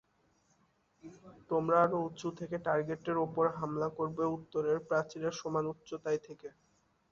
তোমরা আরো উঁচু থেকে টার্গেটের ওপর হামলা করবে, উত্তরের প্রাচীরের সমান উচ্চতায় থেকে।